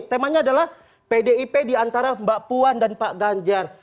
temanya adalah pdip diantara mbak puan dan pak ganjar